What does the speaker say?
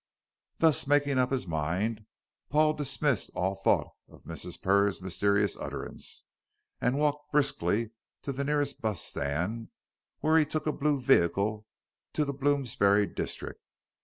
Thus making up his mind, Paul dismissed all thought of Mrs. Purr's mysterious utterance, and walked briskly to the nearest bus stand, where he took a blue vehicle to the Bloomsbury district.